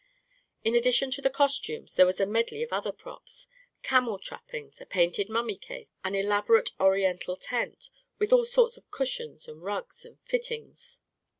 In addition to the costumes, there was a medley of other props — camel trappings, a painted mummy case, an elaborate Oriental tent, with all sorts of cushions and rugs and fittings.